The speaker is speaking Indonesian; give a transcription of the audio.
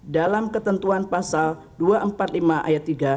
dalam ketentuan pasal dua ratus empat puluh lima ayat tiga